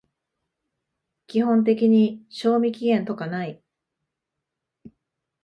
基本的に賞味期限とかない